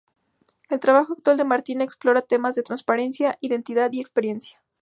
El trabajo actual de Martin explora temas de transparencia, identidad y experiencia.